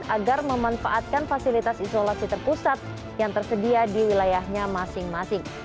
agar memanfaatkan fasilitas isolasi terpusat yang tersedia di wilayahnya masing masing